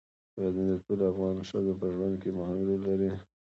غزني د ټولو افغان ښځو په ژوند کې مهم رول لري.